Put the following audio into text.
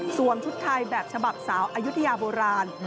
ชุดไทยแบบฉบับสาวอายุทยาโบราณ